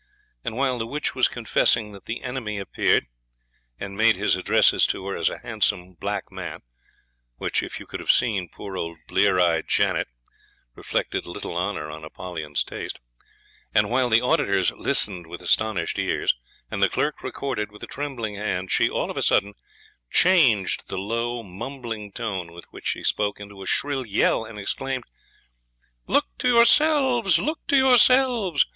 And while the witch was confessing that the Enemy appeared, and made his addresses to her as a handsome black man, which, if you could have seen poor old blear eyed Janet, reflected little honour on Apollyon's taste, and while the auditors listened with astonished ears, and the clerk recorded with a trembling hand, she, all of a sudden, changed the low mumbling tone with which she spoke into a shrill yell, and exclaimed, "Look to yourselves! look to yourselves!